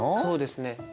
そうですね。